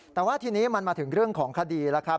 แต่ว่าทีนี้มันมาถึงเรื่องของคดีแล้วครับ